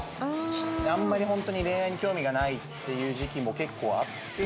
あんまりホントに恋愛に興味がないっていう時期も結構あって。